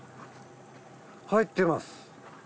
入ってます。